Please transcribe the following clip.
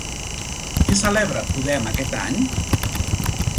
Què celebra Podem aquest any?